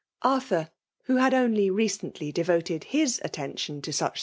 Arth\ir, wbp had tinly recently devoted his attention Uk* BUeh.